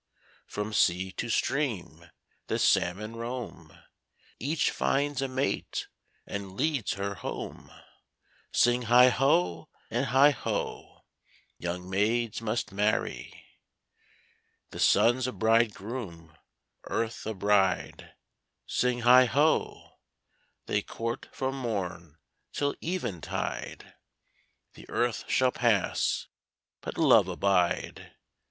From sea to stream the salmon roam; Each finds a mate, and leads her home; Sing heigh ho, and heigh ho! Young maids must marry. The sun's a bridegroom, earth a bride; Sing heigh ho! They court from morn till eventide: The earth shall pass, but love abide.